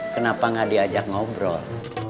kenapa gak diajak ngobrol